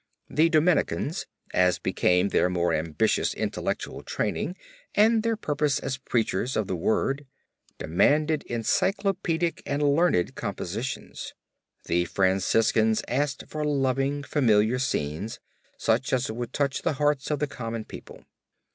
The Dominicans, as became their more ambitious intellectual training and their purpose as preachers of the word, demanded encyclopedic and learned compositions; the Franciscans asked for loving familiar scenes such as would touch the hearts of the common people.